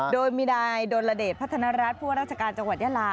โดยมีนายดลเดชพัฒนรัฐผู้ว่าราชการจังหวัดยาลา